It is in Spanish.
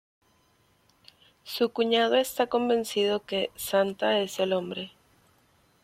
Su cuñado está convencido que "Santa es el hombre".